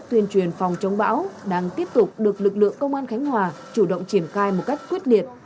tuyên truyền phòng chống bão đang tiếp tục được lực lượng công an khánh hòa chủ động triển khai một cách quyết liệt